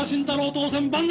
当選万歳！